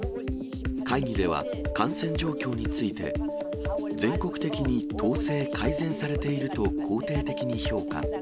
会議では、感染状況について、全国的に統制、改善されていると肯定的に評価。